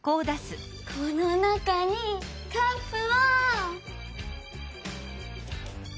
この中にカップを。